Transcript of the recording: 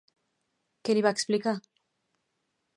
Què li va explicar?